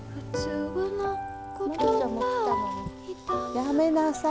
やめなさい。